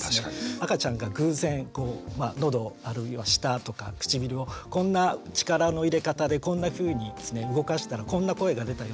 赤ちゃんが偶然のどあるいは舌とか唇をこんな力の入れ方でこんなふうに動かしたらこんな声が出たよ。